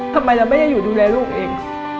ทำไมเราไม่ได้อยู่ดูแลลูกเอง